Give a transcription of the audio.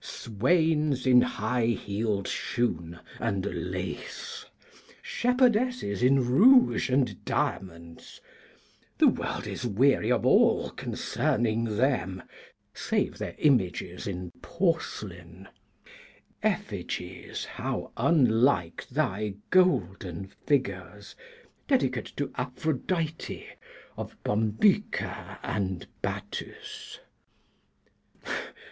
Swains in high heeled shoon, and lace, shepherdesses in rouge and diamonds, the world is weary of all concerning them, save their images in porcelain, effigies how unlike the golden figures, dedicate to Aphrodite, of Bombyca and Battus.